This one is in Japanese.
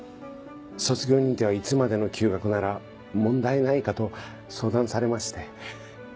卒業認定はいつまでの休学なら問題ないかと相談されまして。